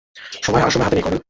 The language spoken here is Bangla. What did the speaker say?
আর সময় নেই হাতে, কর্নেল।